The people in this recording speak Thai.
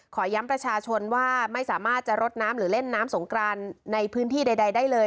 ขอย้ำประชาชนว่าไม่สามารถจะรดน้ำหรือเล่นน้ำสงกรานในพื้นที่ใดได้เลย